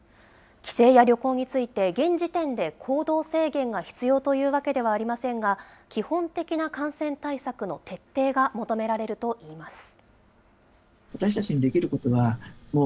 帰省や旅行について、現時点で行動制限が必要というわけではありませんが、基本的な感染対策の徹底が求められるといいます。